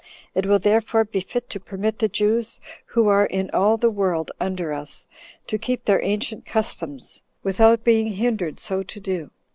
It will therefore be fit to permit the Jews, who are in all the world under us, to keep their ancient customs without being hindered so to do.